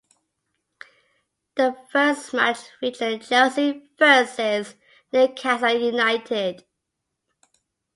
The first match featured Chelsea v Newcastle United.